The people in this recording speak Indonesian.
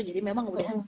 jadi memang udah